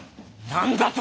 何だと！？